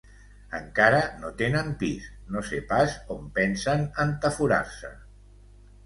Encara no tenen pis: no sé pas on pensen entaforar-se.